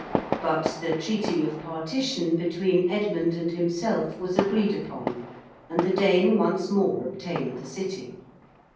But the Treaty of Partition between Edmund and himself was agreed upon and the Dane once more obtained the City.